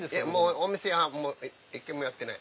お店は一軒もやってない。